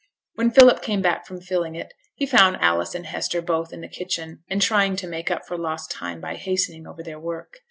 When Philip came back from filling it, he found Alice and Hester both in the kitchen, and trying to make up for lost time by hastening over their work.